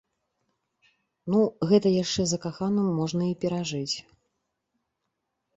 Ну, гэта яшчэ закаханым можна і перажыць.